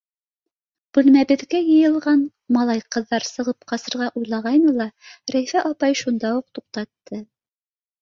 Бүлмәбеҙгә йыйылған малай-ҡыҙҙар сығып ҡасырға уйлағайны ла, Рәйфә апай шунда уҡ туҡтатты: